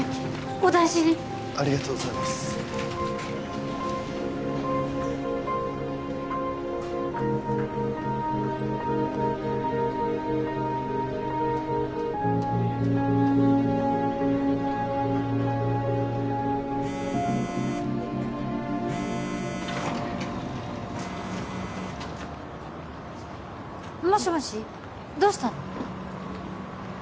お大事にありがとうございますもしもしどうしたの？